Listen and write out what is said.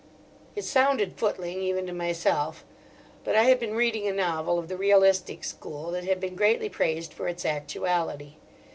It sounded footling even to myself, but I had been reading a novel of the realistic school that had been greatly praised for its actuality.